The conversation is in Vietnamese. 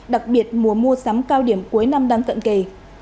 đặc biệt mùa mua sắm cao điểm cuối năm đang cận kề